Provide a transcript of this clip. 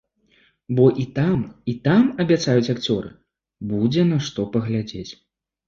Бо і там, і там, абяцаюць акцёры, будзе на што паглядзець.